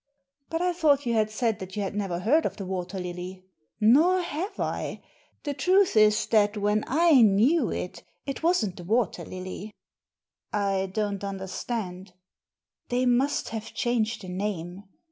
" But I thought you said that you had never heard of the Water Lilyr " Nor have I. The truth is that when I knew it, it wasn't the Water Lify:' "I don't understand." "They must have changed the name.